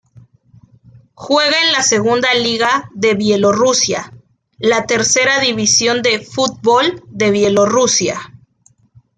Juega en la Segunda Liga de Bielorrusia, la Tercera División de Fútbol de Bielorrusia.